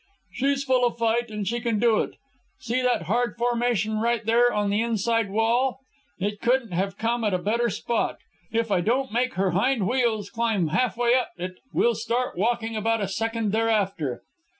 "She's full of fight, and she can do it. See that hard formation right there on the inside wall. It couldn't have come at a better spot. If I don't make her hind wheels climb half way up it, we'll start walking about a second thereafter."